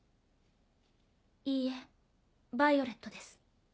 いいえヴァイオレットです。